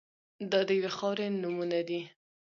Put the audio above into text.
دا د یوې خاورې نومونه دي.